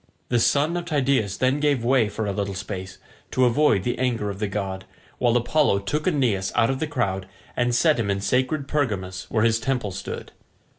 The son of Tydeus then gave way for a little space, to avoid the anger of the god, while Apollo took Aeneas out of the crowd and set him in sacred Pergamus, where his temple stood.